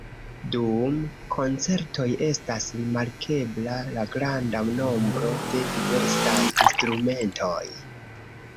Dum koncertoj estas rimarkebla la granda nombro de diversaj instrumentoj.